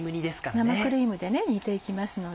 生クリームで煮て行きますので。